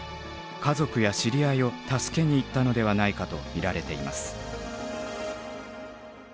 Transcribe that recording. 家族や知り合いを助けに行ったのではないかと見られています。